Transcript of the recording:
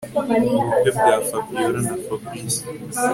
ubukwe bwa Fabiora na Fabric